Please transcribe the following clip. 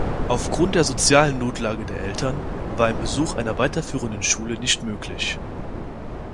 Aufgrund der sozialen Notlage der Eltern war ein Besuch einer weiterführenden Schule nicht möglich.